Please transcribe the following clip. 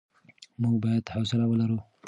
موږ بايد حوصله ولرو.